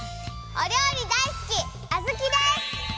おりょうりだいすきアズキです！